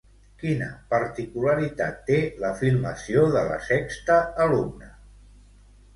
Quina particularitat té la filmació de La sexta alumna?